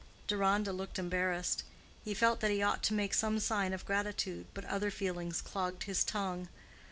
Deronda looked embarrassed. He felt that he ought to make some sign of gratitude, but other feelings clogged his tongue.